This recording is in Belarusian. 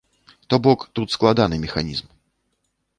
То бок тут складаны механізм.